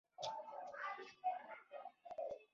د دوکال په نوم نوې تاسیس شوې شورا ټاکل کېده